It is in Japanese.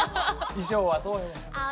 衣装はそうやわ。